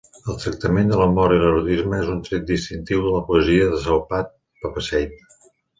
El tractament de l'amor i l'erotisme és un tret distintiu de la poesia de Salvat-Papasseit.